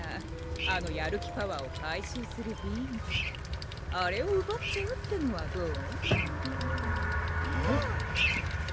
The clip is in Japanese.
あのやる気パワーを回収する瓶あれをうばっちゃうってのはどう？